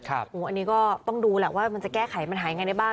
อันนี้ก็ต้องดูแหละว่ามันจะแก้ไขมันหายังไงได้บ้าง